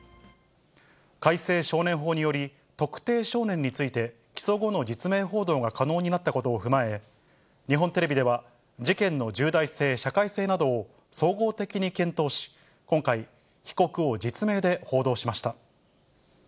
改正少年法により、特定少年について起訴後の実名報道が可能になったことを踏まえ、日本テレビでは、事件の重大性、社会性などを総合的に検討し、今回、被告を実名で報道しました。